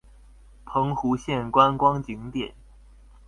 澎湖縣觀光景點